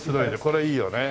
これいいよね。